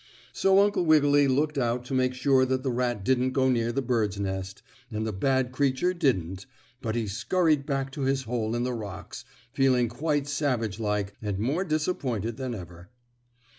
So Uncle Wiggily looked out to make sure that the rat didn't go near the birds' nest and the bad creature didn't, but he scurried back to his hole in the rocks, feeling quite savage like and more disappointed than ever.